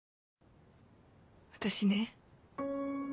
私ね。